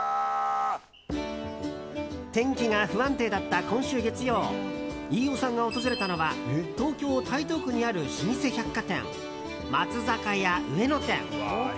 天気が不安定だった今週月曜飯尾さんが訪れたのは東京・台東区にある老舗百貨店、松坂屋上野店。